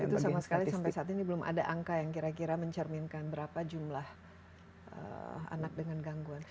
dan itu sama sekali sampai saat ini belum ada angka yang kira kira mencerminkan berapa jumlah anak dengan gangguan